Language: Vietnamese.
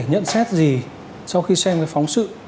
nhận xét gì sau khi xem cái phóng sự